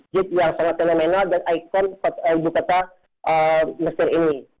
gate yang sangat fenomenal dan ikon ibu kota mesir ini